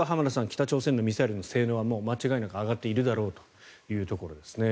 北朝鮮のミサイルの性能は間違いなく上がっているだろうということですね。